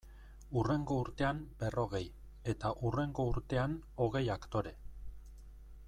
Hurrengo urtean berrogei, eta hurrengo urtean hogei aktore.